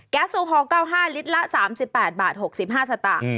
โซฮอล๙๕ลิตรละ๓๘บาท๖๕สตางค์